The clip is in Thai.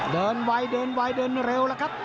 เดินวายเร็วละครับ